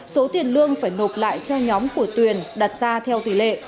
số tiền lương phải nộp lại cho nhóm của tuyền đặt ra theo tỷ lệ